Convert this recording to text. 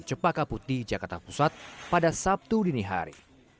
copacabuti jakarta pusat pada sabtu dini hari